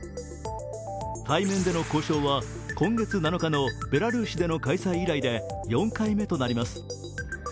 対面での交渉は今月７日のベラルーシでの開催以来で４回目となります。